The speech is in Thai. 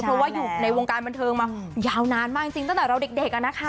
เพราะว่าอยู่ในวงการบันเทิงมายาวนานมากจริงตั้งแต่เราเด็ก